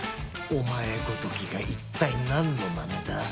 お前ごときが一体なんのまねだ？